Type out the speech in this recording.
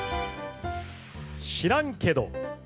知らんけど。